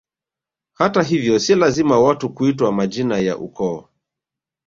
Hata hivyo si lazima watu kuitwa majina ya ukoo